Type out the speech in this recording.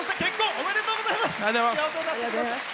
ありがとうございます。